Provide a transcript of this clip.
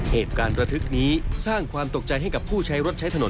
เหตุการณ์ระทึกนี้สร้างความตกใจให้กับผู้ใช้รถใช้ถนน